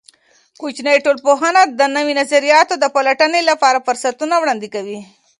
کوچنۍ ټولنپوهنه د نوي نظریاتو د پلټنې لپاره فرصتونه وړاندې کوي.